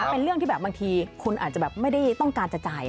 เป็นเรื่องที่แบบบางทีคุณอาจจะแบบไม่ได้ต้องการจะจ่าย